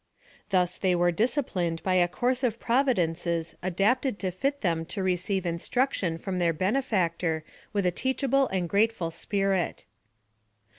Th'is they were disciplined by a course of providences adapted to fit them to receive in PLAN OP SALVATION. 85 struction from tlieir benefactor with a teachable and grateful s] irit.